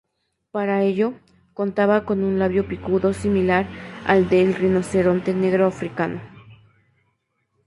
Para ello, contaba con un labio picudo similar al del rinoceronte negro africano.